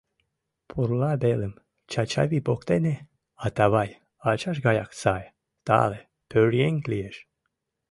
— Пурла велым, Чачавий воктене, Атавай, ачаж гаяк сай, тале пӧръеҥ лиеш.